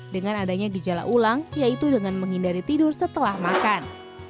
dengan adanya gejala ulang yaitu dengan menghindari tidur setelah makan